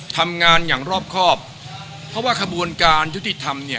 ทำงานอย่างรอบครอบเพราะว่าขบวนการยุติธรรมเนี่ย